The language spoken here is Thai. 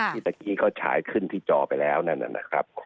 ตะกี้เขาฉายขึ้นที่จอไปแล้วนั่นนะครับ